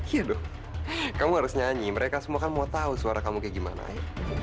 iya dong kamu harus nyanyi mereka semua kan mau tahu suara kamu kayak gimana ya